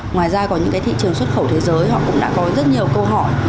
ngoài ra có những cái thị trường xuất khẩu thế giới họ cũng đã có rất nhiều câu hỏi